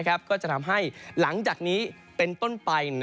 ก็จะทำให้หลังจากนี้เป็นต้นไป